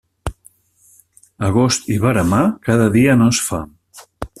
Agost i veremà, cada dia no es fa.